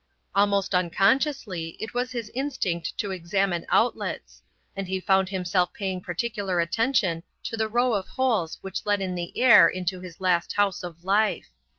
Almost unconsciously it was his instinct to examine outlets, and he found himself paying particular attention to the row of holes which let in the air into his last house of life.